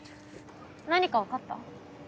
何か分かった？